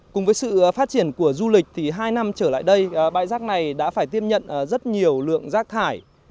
cùng với sự phát triển của du lịch thì hai năm trở lại đây bãi rác này đã phải tiêm nhận rất nhiều lượng rác thải